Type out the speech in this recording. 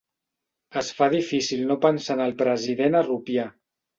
Es fa difícil no pensar en el president a Rupià.